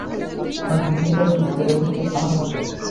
অন্য মহিলাদের মত, এবং ঠিক আমার মত।